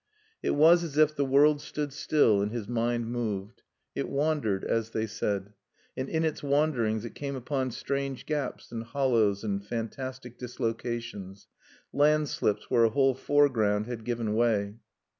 It was as if the world stood still and his mind moved. It "wandered," as they said. And in its wanderings it came upon strange gaps and hollows and fantastic dislocations, landslips where a whole foreground had given way.